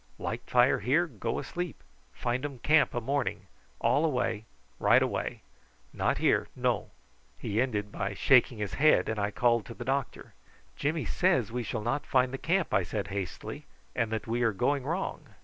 "Light fire here; go asleep! Findum camp a morning. All away, right away. Not here; no!" He ended by shaking his head, and I called to the doctor: "Jimmy says we shall not find the camp!" I said hastily; "and that we are going wrong."